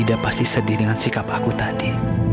tidak pasti sedih dengan sikap aku tadi